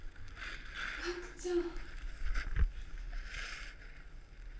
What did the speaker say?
岳ちゃん。